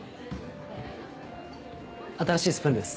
新しいスプーンです。